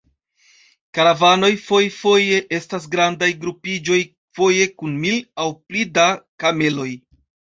Karavanoj fojfoje estas grandaj grupiĝoj, foje kun mil aŭ pli da kameloj.